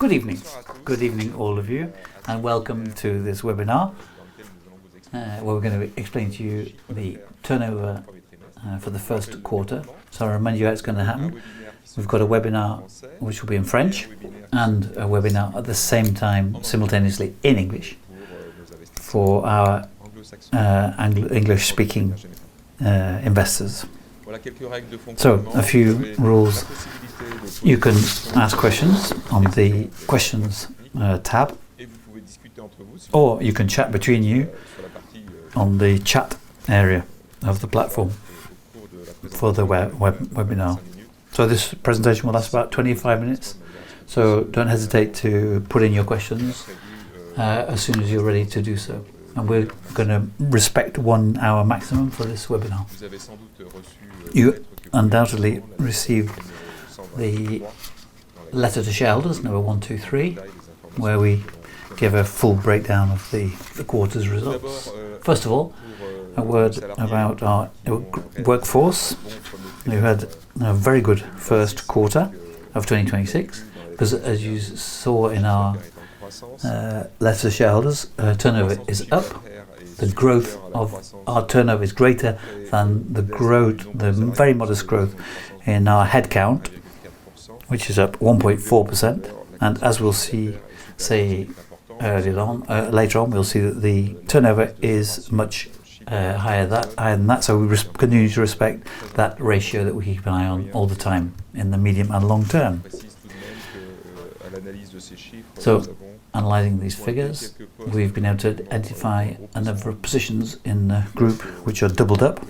Good evening. Good evening, all of you, and welcome to this webinar, where we're going to explain to you the turnover for the first quarter. I remind you how it's going to happen. We've got a webinar which will be in French and a webinar at the same time, simultaneously, in English for our English-speaking investors. A few rules. You can ask questions on the Questions tab, or you can chat between you on the chat area of the platform for the webinar. This presentation will last about 25 minutes, so don't hesitate to put in your questions as soon as you're ready to do so. We're going to respect one hour maximum for this webinar. You undoubtedly received the letter to shareholders number one, two, three, where we give a full breakdown of the quarter's results. First of all, a word about our workforce. We had a very good first quarter of 2026 because, as you saw in our letter to shareholders, turnover is up. The growth of our turnover is greater than the very modest growth in our headcount, which is up 1.4%. As we'll see later on, we'll see that the turnover is much higher than that. We continue to respect that ratio that we keep an eye on all the time in the medium and long term. Analyzing these figures, we've been able to identify a number of positions in the group which are doubled up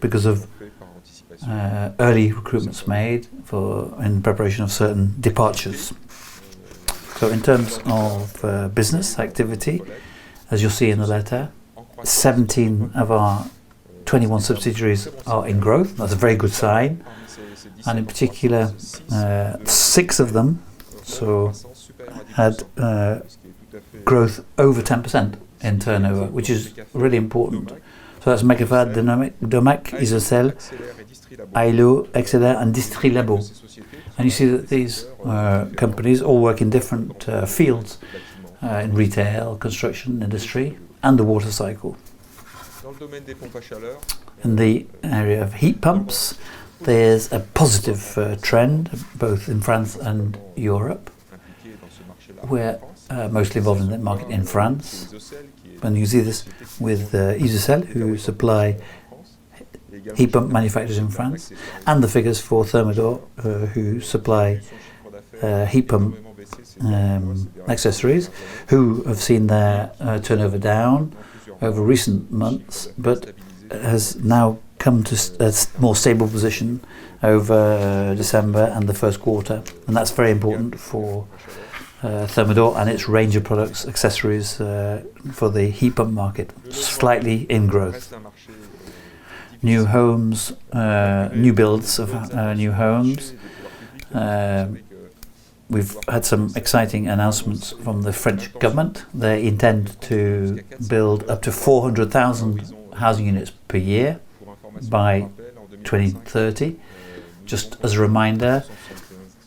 because of early recruitments made in preparation of certain departures. In terms of business activity, as you'll see in the letter, 17 of our 21 subsidiaries are in growth. That's a very good sign. In particular, six of them had growth over 10% in turnover, which is really important. That's Mecafer, Domac, Isocel, Aello, Axelair, and Distrilabo. You see that these companies all work in different fields in retail, construction industry, and the water cycle. In the area of heat pumps, there's a positive trend both in France and Europe. We're mostly involved in the market in France, and you see this with Isocel, who supply heat pump manufacturers in France, and the figures for Thermador, who supply heat pump accessories, who have seen their turnover down over recent months, but has now come to a more stable position over December and the first quarter. That's very important for Thermador and its range of products, accessories for the heat pump market, slightly in growth. New builds of new homes. We've had some exciting announcements from the French government. They intend to build up to 400,000 housing units per year by 2030. Just as a reminder,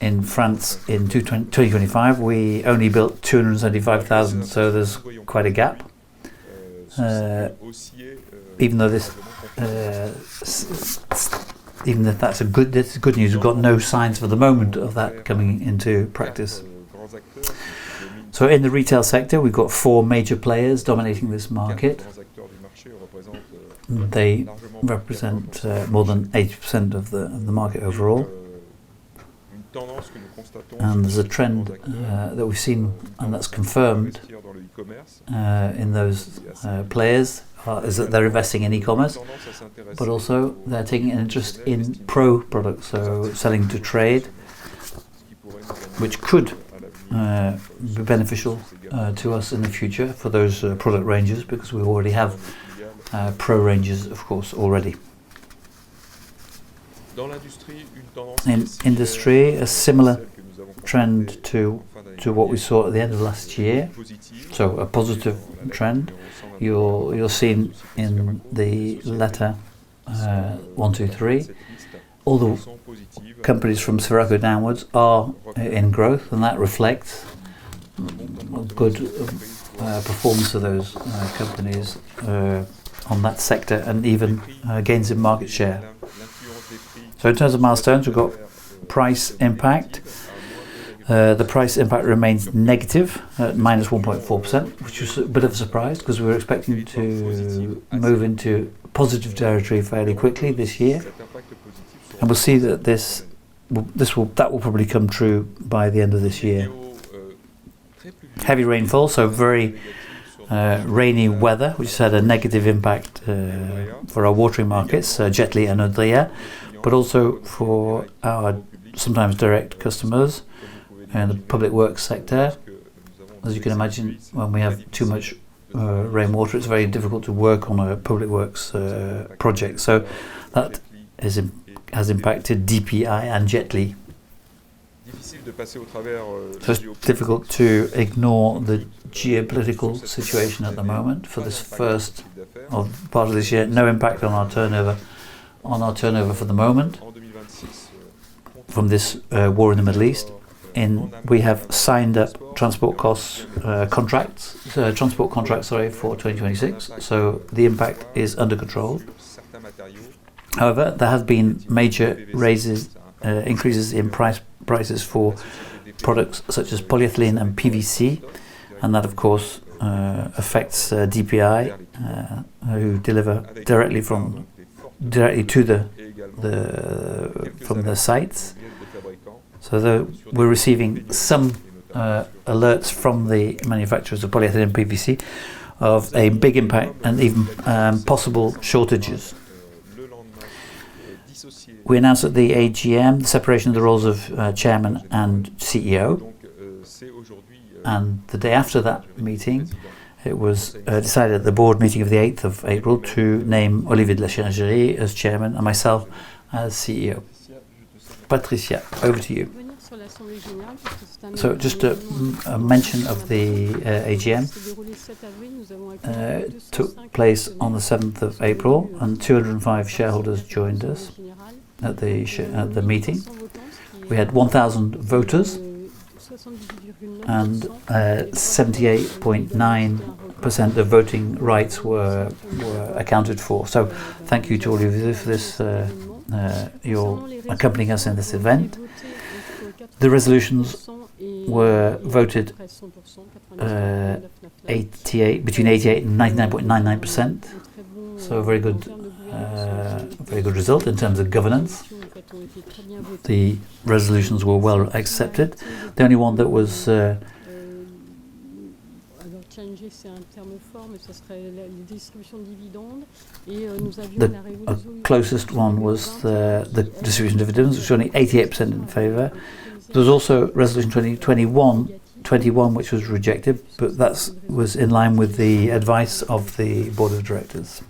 in France in 2025, we only built 275,000, so there's quite a gap. Even if that's good news, we've got no signs for the moment of that coming into practice. In the retail sector, we've got four major players dominating this market. They represent more than 80% of the market overall. There's a trend that we've seen and that's confirmed in those players is that they're investing in e-commerce, but also they're taking an interest in pro products, so selling to trade, which could be beneficial to us in the future for those product ranges, because we already have pro ranges, of course, already. In industry, a similar trend to what we saw at the end of last year, so a positive trend. You'll see in the letter one, two, three, all the companies from Sferaco downwards are in growth, and that reflects good performance of those companies on that sector and even gains in market share. In terms of milestones, we've got price impact. The price impact remains negative at -1.4%, which is a bit of a surprise because we were expecting to move into positive territory fairly quickly this year. We'll see that will probably come true by the end of this year. Heavy rainfall, so very rainy weather, which has had a negative impact for our watering markets, Jetly and Odrea, but also for our sometimes direct customers in the public works sector. As you can imagine, when we have too much rainwater, it's very difficult to work on a public works project. That has impacted DPI and Jetly. It's difficult to ignore the geopolitical situation at the moment for this first part of this year. No impact on our turnover for the moment from this war in the Middle East. We have signed transport contracts for 2026. The impact is under control. However, there have been major increases in prices for products such as polyethylene and PVC, and that, of course, affects DPI, who deliver directly to the sites. Though we're receiving some alerts from the manufacturers of polyethylene and PVC of a big impact and even possible shortages. We announced at the AGM separation of the roles of Chairman and CEO, and the day after that meeting, it was decided at the board meeting of the April 8th to name Olivier de la Clergerie as Chairman and myself as CEO. Patricia, over to you. Just a mention of the AGM. It took place on the April 7th, and 205 shareholders joined us at the meeting. We had 1,000 voters and 78.9% of voting rights were accounted for. Thank you to all of you for accompanying us in this event. The resolutions were voted between 88%-99.99%. A very good result in terms of governance. The resolutions were well accepted. The closest one was the distribution of dividends, which was only 88% in favor. There was also Resolution 21 which was rejected, but that was in line with the advice of the board of directors.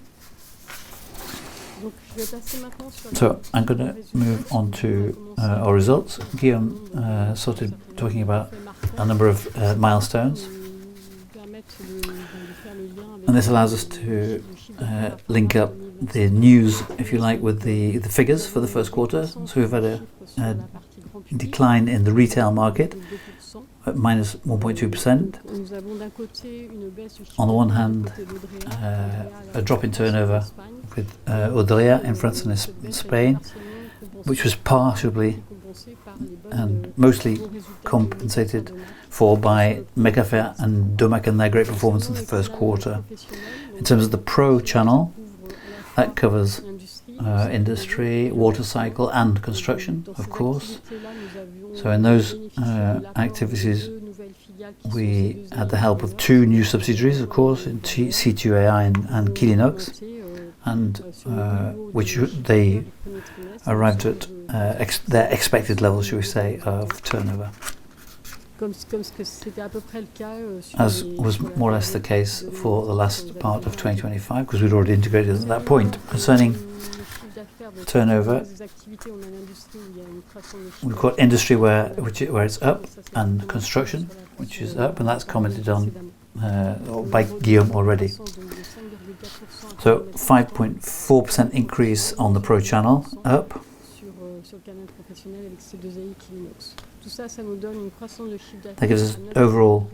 I'm going to move on to our results. Guillaume started talking about a number of milestones. This allows us to link up the news, if you like, with the figures for the first quarter. We've had a decline in the retail market at -1.2%. On the one hand, a drop in turnover with Odrea in France and Spain, which was partially and mostly compensated for by Mecafer and Domac and their great performance in the first quarter. In terms of the pro channel, that covers industry, water cycle, and construction, of course. In those activities, we had the help of two new subsidiaries, of course, in C2AI and Quilinox, and which they arrived at their expected level, should we say, of turnover. As was more or less the case for the last part of 2025, because we'd already integrated it at that point. Concerning turnover, we've got industry where it's up, and construction which is up, and that's commented on by Guillaume already. 5.4% increase on the pro channel up. I guess an overall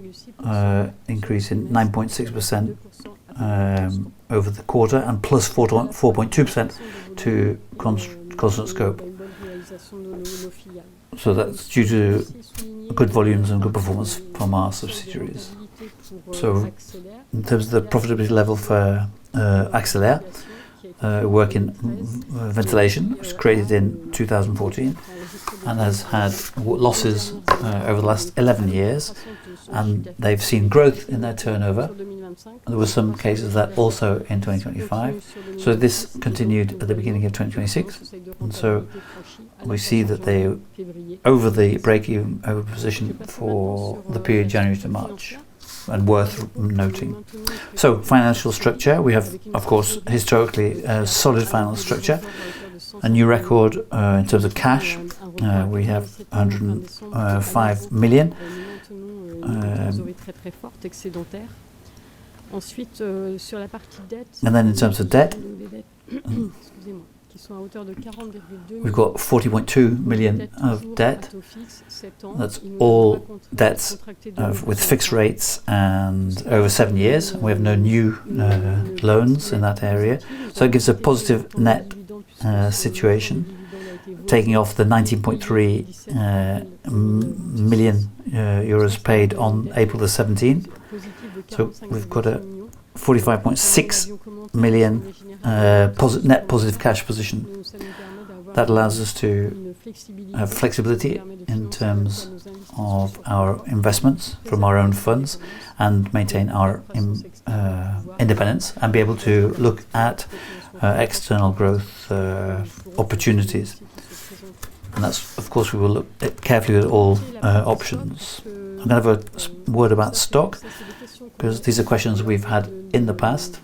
increase in 9.6% over the quarter and +4.2% to constant scope. That's due to good volumes and good performance from our subsidiaries. In terms of the profitability level for Axelair, working ventilation, which was created in 2014 and has had losses over the last 11 years, and they've seen growth in their turnover. There were some gains also in 2025. This continued at the beginning of 2026, and we see that they're over the break-even position for the period January to March, which is worth noting. Financial structure. We have, of course, historically a solid financial structure. A new record in terms of cash. We have 105 million. Then in terms of debt, we've got 40.2 million of debt. That's all debts with fixed rates and over seven years. We have no new loans in that area. It gives a positive net situation, taking off the 90.3 million euros paid on April 17th. We've got a 45.6 million net positive cash position that allows us to have flexibility in terms of our investments from our own funds and maintain our independence and be able to look at external growth opportunities. That's, of course, we will look carefully at all options. I'm going to have a word about stock, because these are questions we've had in the past.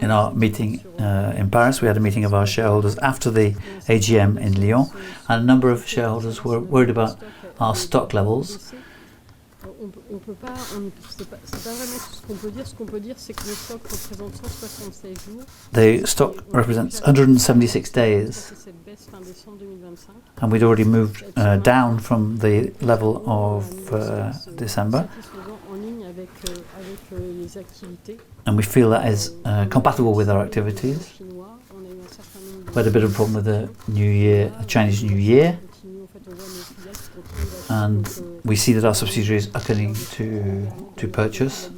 In our meeting in Paris, we had a meeting of our shareholders after the AGM in Lyon, and a number of shareholders were worried about our stock levels. The stock represents 176 days. We'd already moved down from the level of December. We feel that is compatible with our activities. We had a bit of a problem with the Chinese New Year, and we see that our subsidiaries are turning to purchase.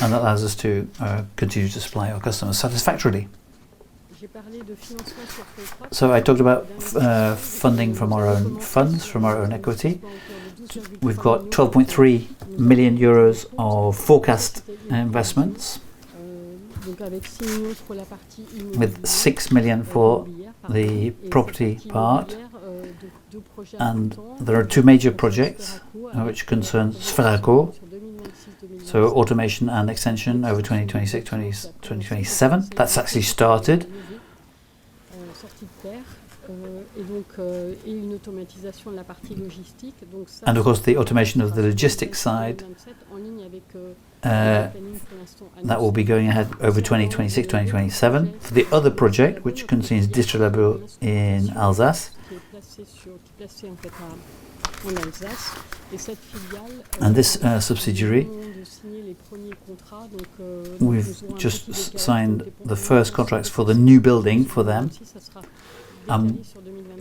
That allows us to continue to supply our customers satisfactorily. I talked about funding from our own funds, from our own equity. We've got 12.3 million euros of forecast investments. With 6 million for the property part, and there are two major projects which concern Sferaco. Automation and extension over 2026, 2027. That's actually started. Of course, the automation of the logistics side, that will be going ahead over 2026, 2027. For the other project, which contains Distrilabo in Alsace. This subsidiary, we've just signed the first contracts for the new building for them.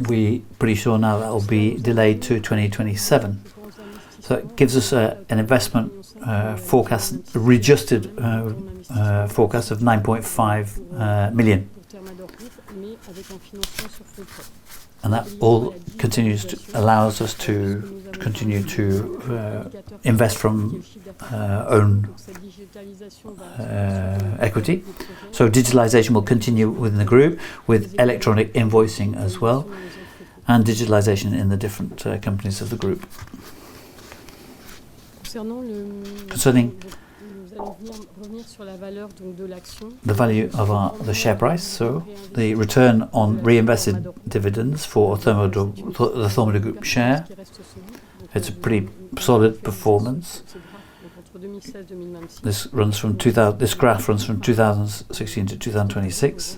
We're pretty sure now that'll be delayed to 2027. It gives us an investment forecast, readjusted forecast of 9.5 million. That all allows us to continue to invest from our own equity. Digitalization will continue within the group with electronic invoicing as well, and digitalization in the different companies of the group. Concerning the value of the share price, the return on reinvested dividends for the Thermador Groupe share, it's a pretty solid performance. This graph runs from 2016 to 2026,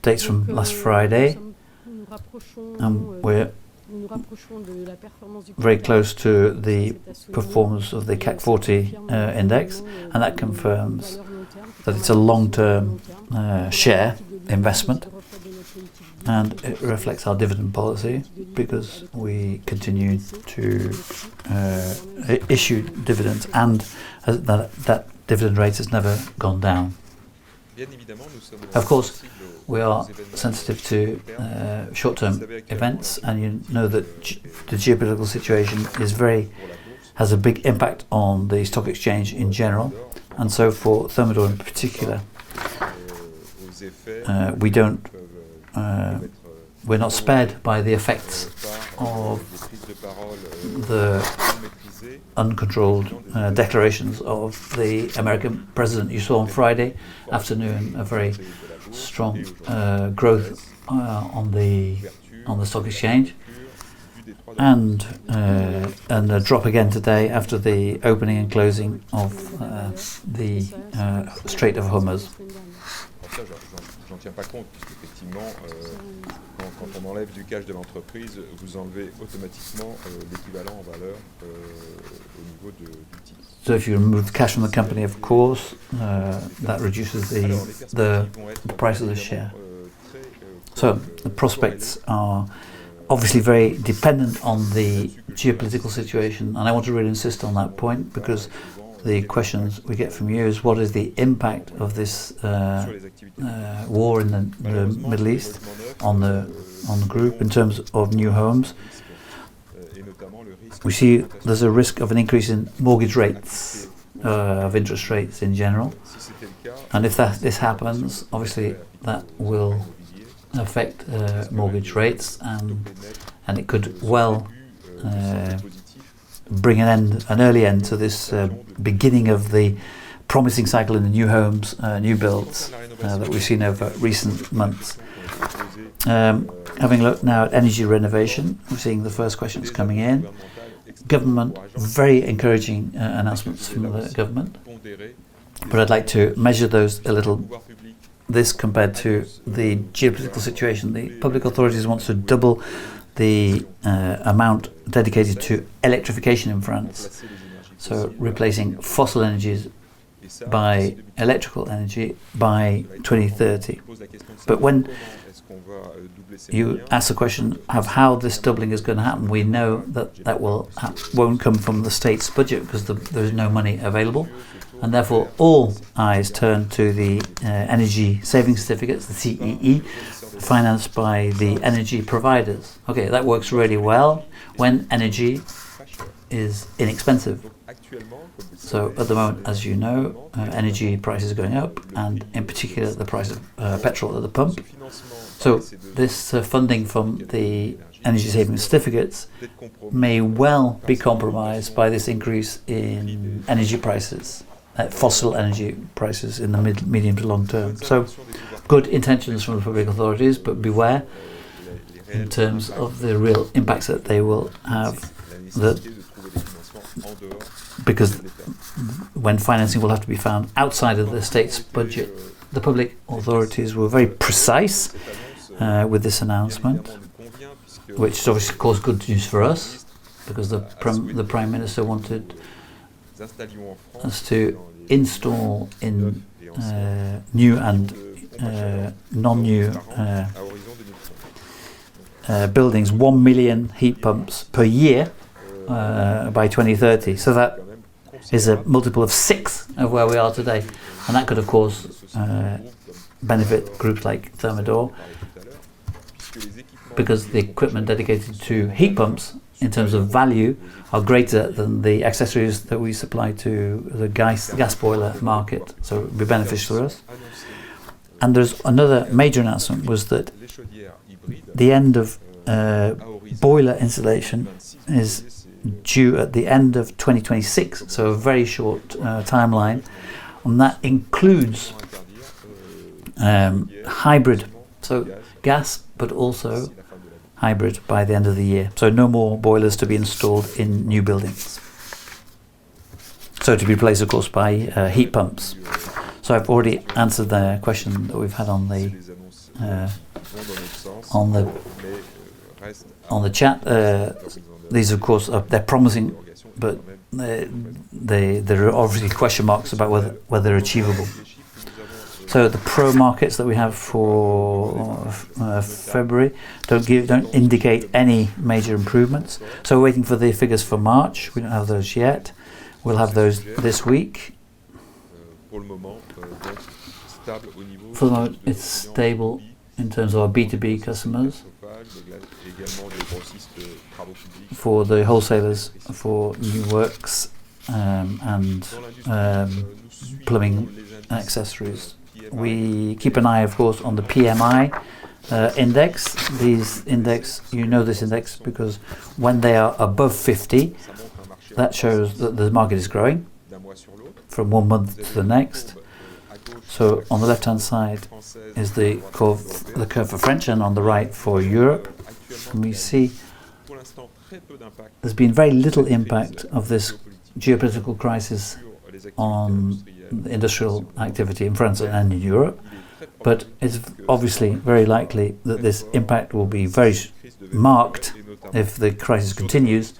dates from last Friday, and we're very close to the performance of the CAC 40 index, and that confirms that it's a long-term share investment, and it reflects our dividend policy because we continue to issue dividends and that dividend rate has never gone down. Of course, we are sensitive to short-term events, and you know that the geopolitical situation has a big impact on the stock exchange in general. For Thermador Groupe in particular, we're not spared by the effects of the uncontrolled declarations of the American president. You saw on Friday afternoon a very strong growth on the stock exchange, and a drop again today after the opening and closing of the Strait of Hormuz. If you remove the cash from the company, of course, that reduces the price of the share. The prospects are obviously very dependent on the geopolitical situation, and I want to really insist on that point because the questions we get from you is what is the impact of this war in the Middle East on the group in terms of new homes? We see there's a risk of an increase in mortgage rates, of interest rates in general. If this happens, obviously, that will affect mortgage rates and it could well bring an early end to this beginning of the promising cycle in the new homes, new builds that we've seen over recent months. Having looked now at energy renovation, we're seeing the first questions coming in. The government, very encouraging announcements from the government, but I'd like to measure those a little, this compared to the geopolitical situation. The public authorities want to double the amount dedicated to electrification in France, so replacing fossil energies by electrical energy by 2030. When you ask the question of how this doubling is going to happen, we know that that won't come from the state's budget because there is no money available, and therefore all eyes turn to the energy saving certificates, the CEE, financed by the energy providers. Okay, that works really well when energy is inexpensive. At the moment, as you know, energy prices are going up, and in particular, the price of petrol at the pump. This funding from the energy saving certificates may well be compromised by this increase in energy prices, fossil energy prices in the medium to long term. Good intentions from the public authorities, but beware in terms of the real impacts that they will have. Because when financing will have to be found outside of the state's budget, the public authorities were very precise with this announcement, which obviously caused good news for us because the prime minister wanted us to install in new and non-new buildings, 1 million heat pumps per year by 2030. That is a multiple of six of where we are today. That could, of course, benefit groups like Thermador, because the equipment dedicated to heat pumps in terms of value are greater than the accessories that we supply to the gas boiler market. It would be beneficial for us. There's another major announcement was that the end of boiler installation is due at the end of 2026, so a very short timeline, and that includes hybrid, so gas, but also hybrid by the end of the year. No more boilers to be installed in new buildings. To be replaced, of course, by heat pumps. I've already answered the question that we've had on the chat. These of course are. They're promising, but there are obviously question marks about whether they're achievable. The pro markets that we have for February don't indicate any major improvements. We're waiting for the figures for March. We don't have those yet. We'll have those this week. For the moment, it's stable in terms of our B2B customers, for the wholesalers, for new works, and plumbing accessories. We keep an eye, of course, on the PMI index. You know this index because when they are above 50, that shows that the market is growing from one month to the next. On the left-hand side is the curve for French and on the right for Europe. We see there's been very little impact of this geopolitical crisis on industrial activity in France and in Europe. It's obviously very likely that this impact will be very marked if the crisis continues,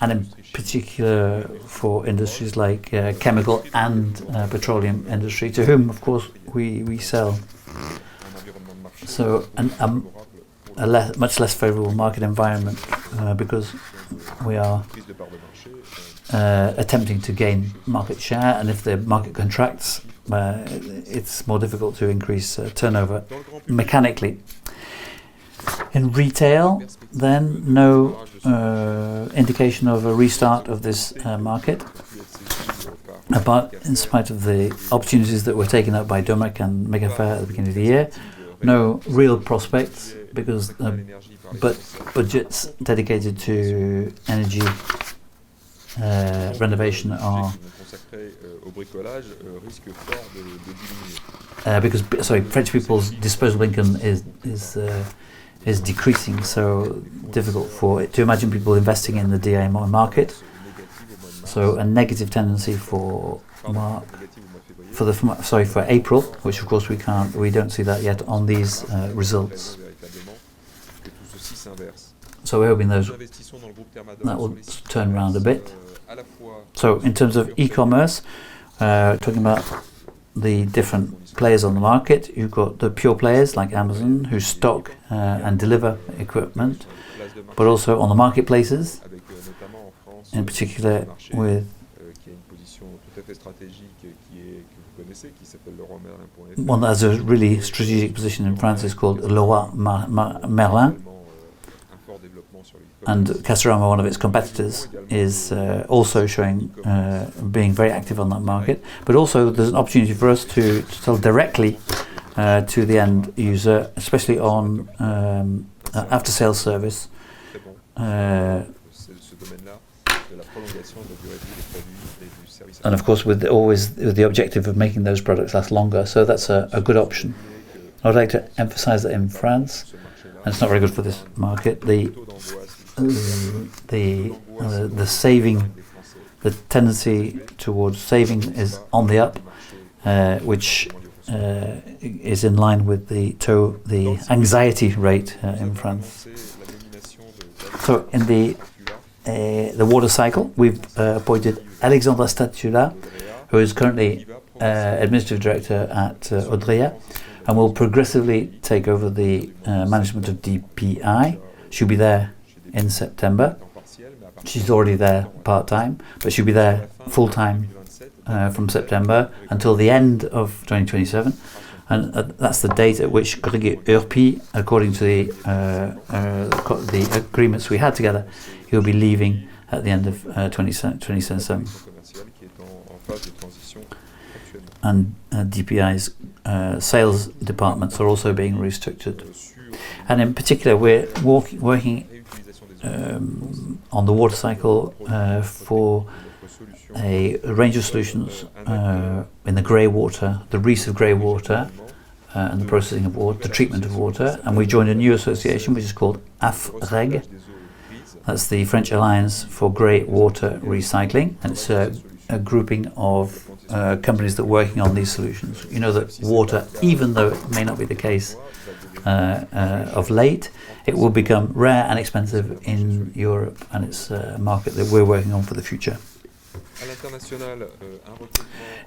and in particular for industries like chemical and petroleum industry, to whom, of course, we sell. A much less favorable market environment, because we are attempting to gain market share, and if the market contracts, it's more difficult to increase turnover mechanically. In retail, no indication of a restart of this market. In spite of the opportunities that were taken up by Domac and Mecafer at the beginning of the year, no real prospects because budgets dedicated to energy renovation are. Sorry, French people's disposable income is decreasing, so difficult for it to imagine people investing in the DIY market. A negative tendency for March, sorry, for April, which of course we don't see that yet on these results. We're hoping that will turn around a bit. In terms of e-commerce, talking about the different players on the market, you've got the pure players like Amazon, who stock and deliver equipment. Also on the marketplaces, in particular with one that has a really strategic position in France is called Leroy Merlin. Castorama, one of its competitors, is also showing being very active on that market. Also, there's an opportunity for us to sell directly to the end user, especially on after-sale service. Of course, with always the objective of making those products last longer. That's a good option. I would like to emphasize that in France, and it's not very good for this market. The saving, the tendency towards saving is on the up, which is in line with the anxiety rate in France. In the water cycle, we've appointed Alexandra Statulat, who is currently Administrative Director at Odrea, and will progressively take over the management of DPI. She'll be there in September. She's already there part-time, but she'll be there full-time from September until the end of 2027, and that's the date at which Grégory Urpi, according to the agreements we had together, he'll be leaving at the end of 2027. DPI's sales departments are also being restructured. In particular, we're working on the water cycle for a range of solutions in the gray water, the reuse of gray water, and the processing of water, the treatment of water. We joined a new association which is called AFREG. That's the French Alliance for Gray Water Recycling, and it's a grouping of companies that are working on these solutions. You know that water, even though it may not be the case of late, it will become rare and expensive in Europe, and it's a market that we're working on for the future.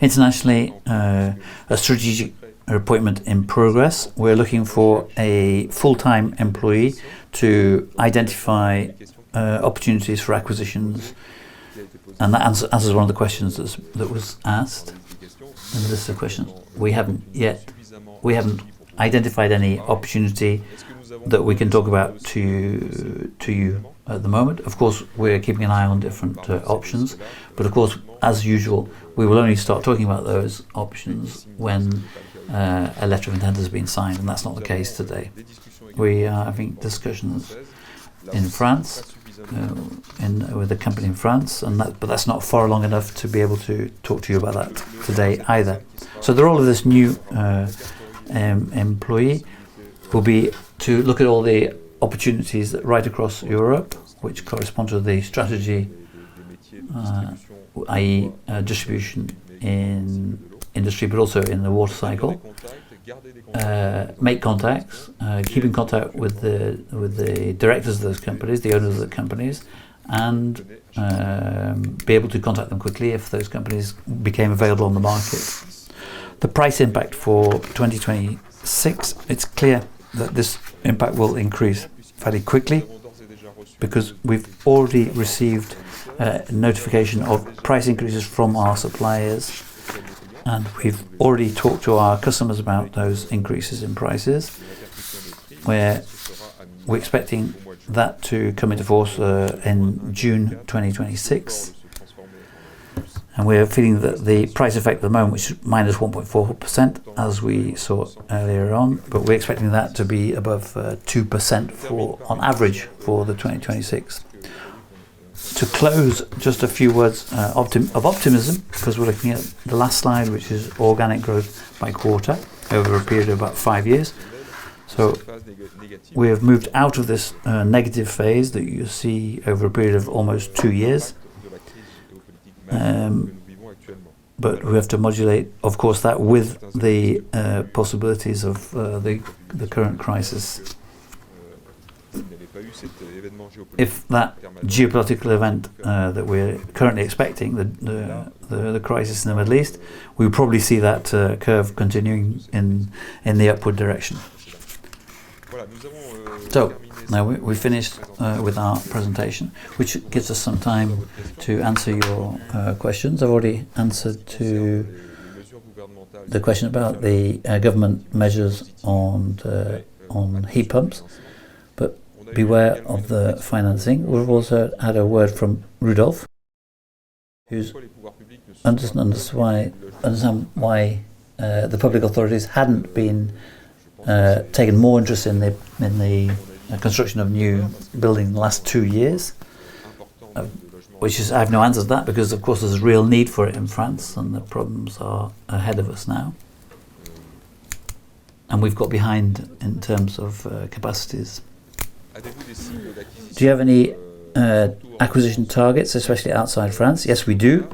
Internationally, a strategic appointment in progress. We're looking for a full-time employee to identify opportunities for acquisitions. That answers one of the questions that was asked. This is a question we haven't identified any opportunity that we can talk about to you at the moment. Of course, we're keeping an eye on different options, but of course, as usual, we will only start talking about those options when a letter of intent has been signed, and that's not the case today. We are having discussions in France and with a company in France, but that's not far along enough to be able to talk to you about that today either. The role of this new employee will be to look at all the opportunities right across Europe, which correspond to the strategy, i.e., distribution in industry, but also in the water cycle, make contacts, keep in contact with the directors of those companies, the owners of the companies, and be able to contact them quickly if those companies became available on the market. The price impact for 2026, it's clear that this impact will increase fairly quickly because we've already received notification of price increases from our suppliers, and we've already talked to our customers about those increases in prices, where we're expecting that to come into force in June 2026. We're feeling that the price effect at the moment, which is -1.4% as we saw earlier on, but we're expecting that to be above 2% on average for 2026. To close, just a few words of optimism because we're looking at the last slide, which is organic growth by quarter over a period of about five years. We have moved out of this negative phase that you see over a period of almost two years. We have to modulate, of course, that with the possibilities of the current crisis. If that geopolitical event that we're currently expecting, the crisis in the Middle East, we'll probably see that curve continuing in the upward direction. So now we've finished with our presentation, which gives us some time to answer your questions. I've already answered to the question about the government measures on heat pumps, but beware of the financing. We've also had a word from Rodolphe who's understood why the public authorities hadn't taken more interest in the construction of new building in the last two years, which I have no answer to that because, of course, there's a real need for it in France and the problems are ahead of us now. We've got behind in terms of capacities. Do you have any acquisition targets, especially outside France? Yes, we do.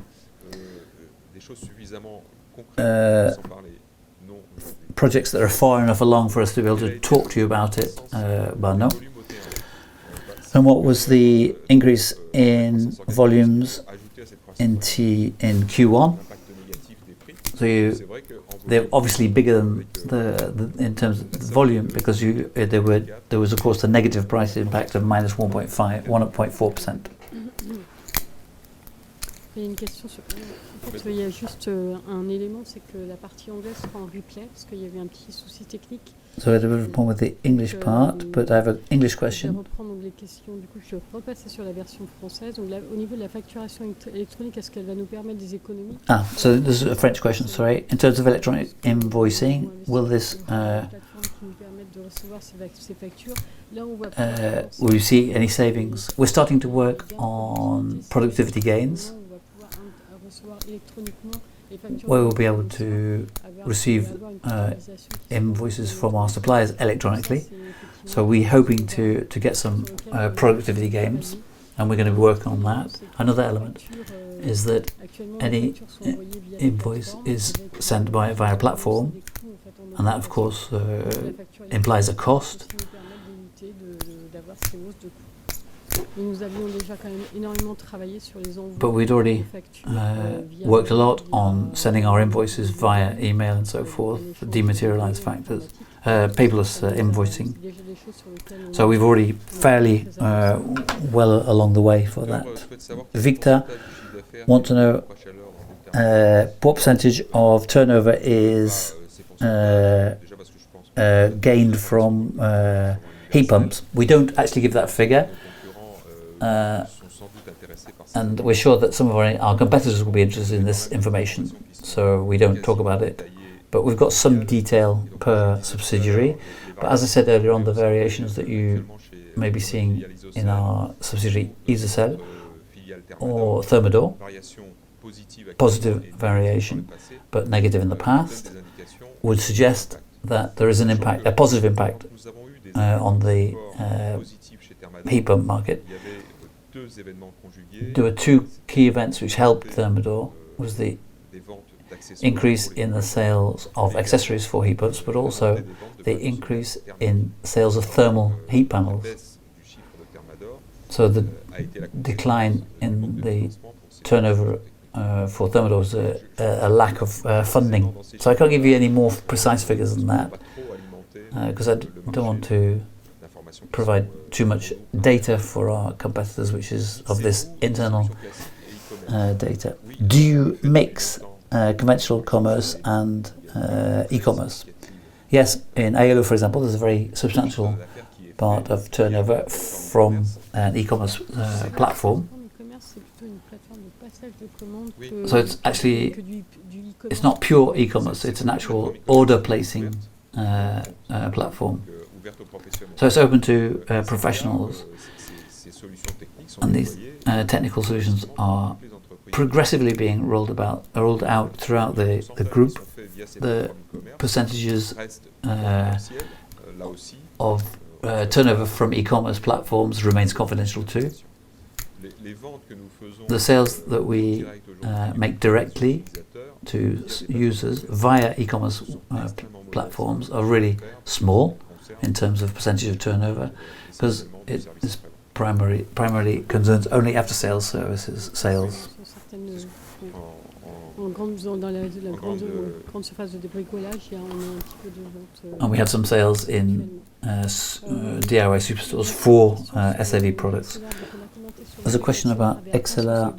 Projects that are far enough along for us to be able to talk to you about it, well, no. What was the increase in volumes in Q1? They're obviously bigger in terms of volume because there was, of course, a negative price impact of -1.4%. A bit of a problem with the English part, but I have an English question. This is a French question, sorry. In terms of electronic invoicing, will you see any savings? We're starting to work on productivity gains, where we'll be able to receive invoices from our suppliers electronically. We're hoping to get some productivity gains, and we're going to work on that. Another element is that any invoice is sent via platform, and that, of course, implies a cost. We'd already worked a lot on sending our invoices via email and so forth for dematerialized invoicing, paperless invoicing. We're already fairly well along the way for that. Victor wants to know what percentage of turnover is gained from heat pumps. We don't actually give that figure. We're sure that some of our competitors will be interested in this information, so we don't talk about it. We've got some detail per subsidiary. As I said earlier on, the variations that you may be seeing in our subsidiary, Isocel or Thermador, positive variation but negative in the past, would suggest that there is a positive impact on the heat pump market. There were two key events which helped Thermador, the increase in the sales of accessories for heat pumps but also the increase in sales of solar thermal panels. The decline in the turnover for Thermador was a lack of funding. I can't give you any more precise figures than that, because I don't want to provide too much data for our competitors, which is this internal data. Do you mix conventional commerce and e-commerce? Yes. In Aello, for example, there's a very substantial part of turnover from an e-commerce platform. It's not pure e-commerce, it's an actual order placing platform. It's open to professionals. These technical solutions are progressively being rolled out throughout the group. The percentages of turnover from e-commerce platforms remains confidential too. The sales that we make directly to users via e-commerce platforms are really small in terms of percentage of turnover because it primarily concerns only after sales services sales. We have some sales in DIY superstores for SAV products. There's a question about Axelair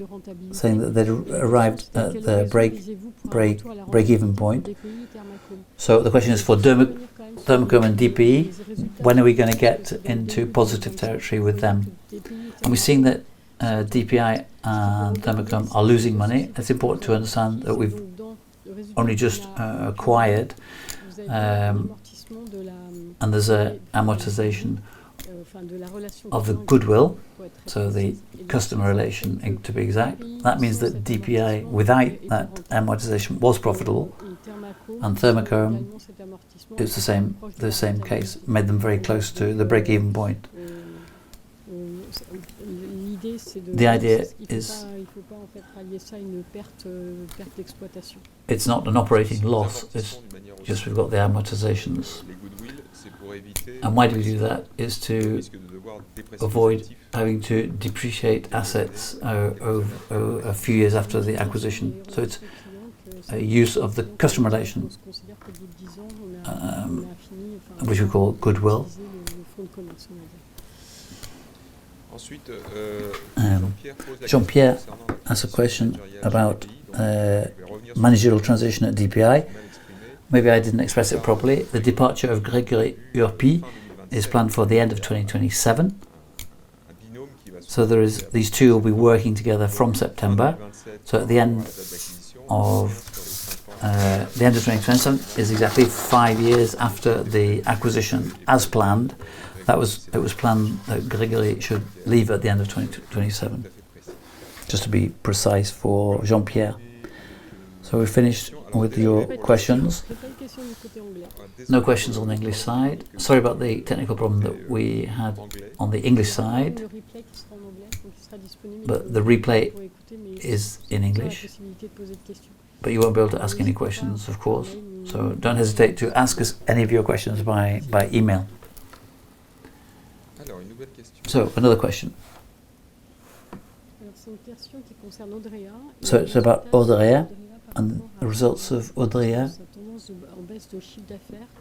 saying that they'd arrived at their break-even point. The question is for Thermacome and DPI, when are we going to get into positive territory with them? We've seen that DPI and Thermacome are losing money. It's important to understand that we've only just acquired, and there's an amortization of the goodwill. The customer relation to be exact. That means that DPI, without that amortization, was profitable, and Thermacome is the same case, made them very close to the break-even point. The idea is it's not an operating loss, it's just we've got the amortizations. Why do we do that? It's to avoid having to depreciate assets a few years after the acquisition.It's a use of the customer relations, which we call goodwill. Jean-Pierre asked a question about managerial transition at DPI. Maybe I didn't express it properly. The departure of Grégory Urpi is planned for the end of 2027. These two will be working together from September. At the end of 2027 is exactly five years after the acquisition, as planned. It was planned that Grégory should leave at the end of 2027. Just to be precise for Jean-Pierre. We're finished with your questions. No questions on the English side. Sorry about the technical problem that we had on the English side. The replay is in English. You won't be able to ask any questions, of course. Don't hesitate to ask us any of your questions by email. Another question. It's about Odrea and the results of Odrea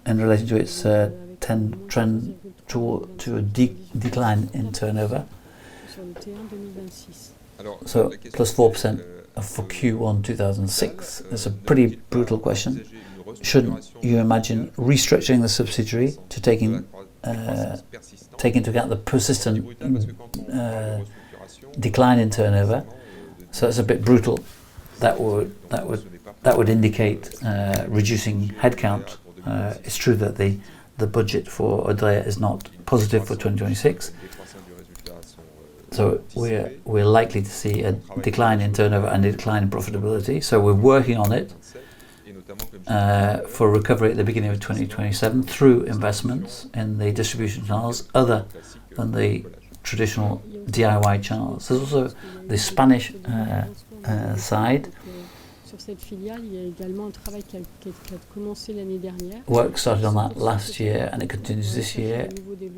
and relating to its trend to a decline in turnover. +4% for Q1 2006. That's a pretty brutal question. Shouldn't you imagine restructuring the subsidiary to take into account the persistent decline in turnover? It's a bit brutal. That would indicate reducing headcount. It's true that the budget for Odrea is not positive for 2026. We're likely to see a decline in turnover and a decline in profitability. We're working on it for recovery at the beginning of 2027 through investments in the distribution channels other than the traditional DIY channels. There's also the Spanish side. Work started on that last year, and it continues this year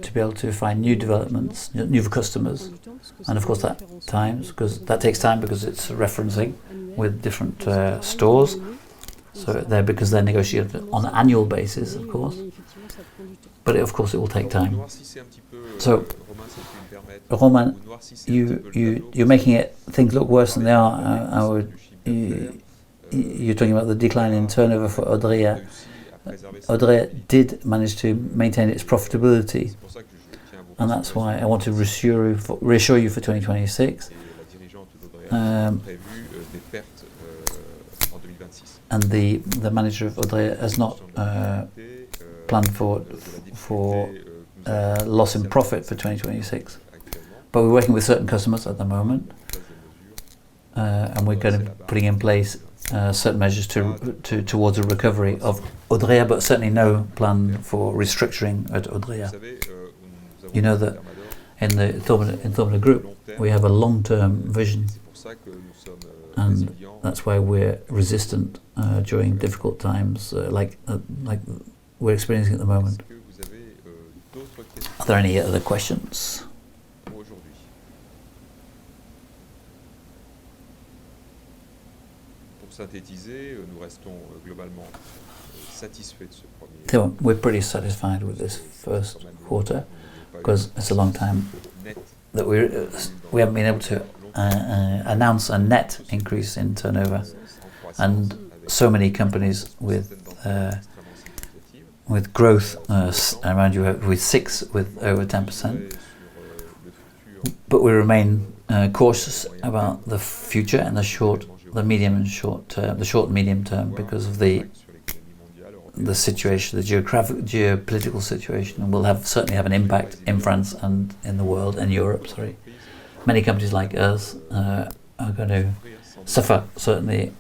to be able to find new developments, new customers. Of course that takes time because it's referencing with different stores. They're negotiated on an annual basis, of course. It will take time. Romain, you're making things look worse than they are. You're talking about the decline in turnover for Odrea. Odrea did manage to maintain its profitability, and that's why I want to reassure you for 2026. The manager of Odrea has no plan for loss and profit for 2026. We're working with certain customers at the moment, and we're going to be putting in place certain measures towards the recovery of Odrea, but certainly no plan for restructuring at Odrea. You know that in Thermador Groupe, we have a long-term vision, and that's why we're resistant during difficult times like we're experiencing at the moment. Are there any other questions? We're pretty satisfied with this first quarter because it's a long time that we haven't been able to announce a net increase in turnover and so many companies with growth around 6% with over 10%. We remain cautious about the future and the short, medium, and short term because of the geopolitical situation will certainly have an impact in France and in the world, in Europe, sorry. Many companies like us are going to suffer, certainly,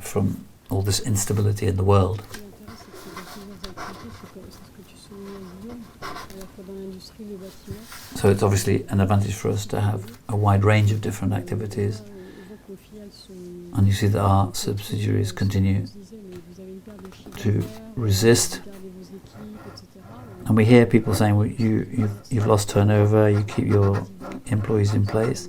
from all this instability in the world. It's obviously an advantage for us to have a wide range of different activities. You see that our subsidiaries continue to resist. We hear people saying, "Well, you've lost turnover. You keep your employees in place."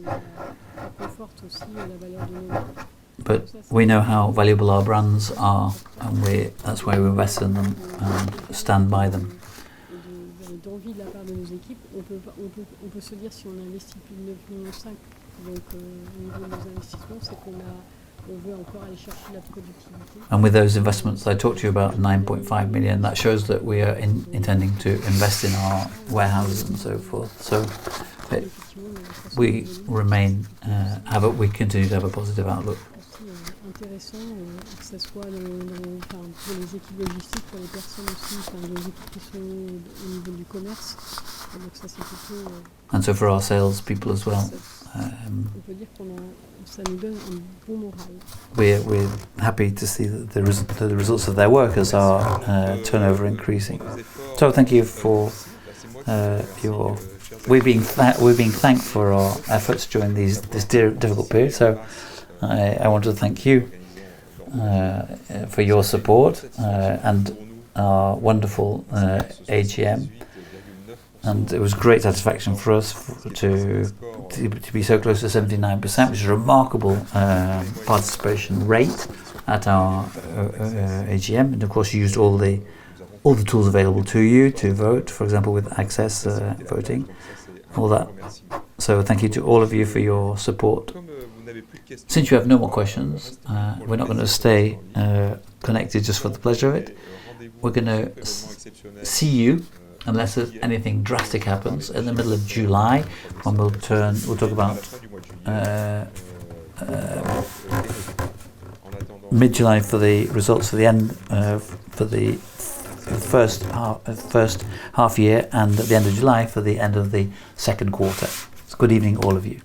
We know how valuable our brands are, and that's why we invest in them and stand by them. With those investments, I talked to you about 9.5 million. That shows that we are intending to invest in our warehouses and so forth. We continue to have a positive outlook. For our salespeople as well, we're happy to see the results of their work, our turnover increasing. Thank you for your... We're being thanked for our efforts during this difficult period. I want to thank you for your support and our wonderful AGM. It was great satisfaction for us to be so close to 79%, which is a remarkable participation rate at our AGM. Of course, you used all the tools available to you to vote, for example, with Votaccess, all that. Thank you to all of you for your support. Since you have no more questions, we're not going to stay connected just for the pleasure of it. We're going to see you, unless anything drastic happens in the middle of July, when we'll talk about mid-July for the results for the first half year and at the end of July for the end of the second quarter. Good evening, all of you.